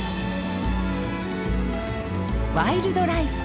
「ワイルドライフ」。